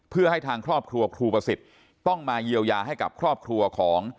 เพื่อให้ทางครอบครัวครูประสิทธิ์ต้องมาเยียวยาให้กับครอบครัวของ